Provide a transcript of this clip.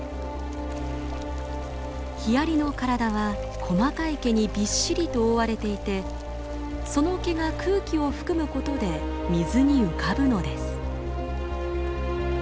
ヒアリの体は細かい毛にびっしりと覆われていてその毛が空気を含むことで水に浮かぶのです。